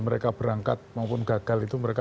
mereka berangkat maupun gagal itu mereka